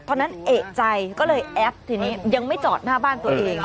ตอนนั้นเอกใจก็เลยแอปทีนี้ยังไม่จอดหน้าบ้านตัวเอง